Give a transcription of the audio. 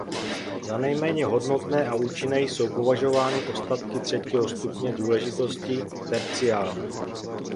Za nejméně hodnotné a účinné jsou považovány ostatky třetího stupně důležitosti "Terciární".